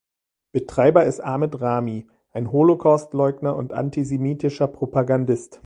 Betreiber ist Ahmed Rami, ein Holocaustleugner und antisemitischer Propagandist.